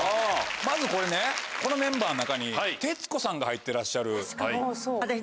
まずこれねこのメンバーの中に徹子さんが入ってらっしゃる。